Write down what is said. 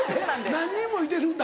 何人もいてるんだ